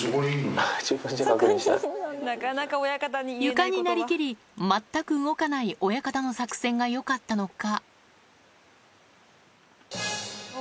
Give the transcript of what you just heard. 床になりきり全く動かない親方の作戦がよかったのか？